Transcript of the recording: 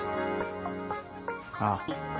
ああ。